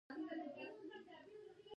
نعماني زما له عقيدې سره لوبه کړې وه.